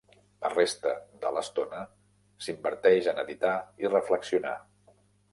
La resta de l'estona s'inverteix en editar i reflexionar.